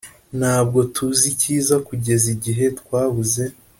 ntabwo tuzi icyiza kugeza igihe twabuze.